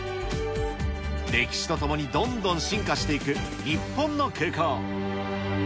歴史とともにどんどん進化していく日本の空港。